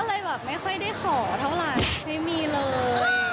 ก็เลยแบบไม่ค่อยได้ขอเท่าไหร่ไม่มีเลย